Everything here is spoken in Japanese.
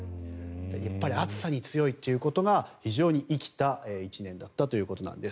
やっぱり暑さに強いということが非常に生きた１年だったということなんです。